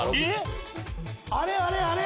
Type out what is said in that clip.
あれあれあれ！